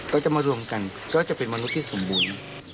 เราจะมารวมกันก็จะเป็นมนุษย์ที่สมบูรณ์